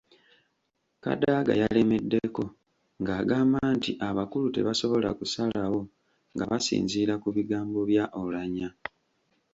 Kadaga yalemeddeko ng’agamba nti abakulu tebasobola kusalawo nga basinziira ku bigambo bya Oulanyah.